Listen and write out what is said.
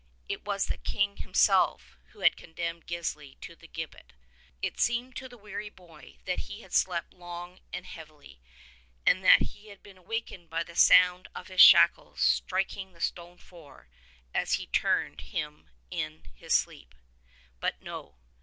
It was the King himself who had condemned Gisli to the gibbet. It seemed to the weary boy that he had slept long and heavily, and that he had been awakened by the sound of his shackles striking the stone floor as he turned him in his sleep. But, no.